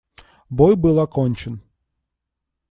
Бой был окончен.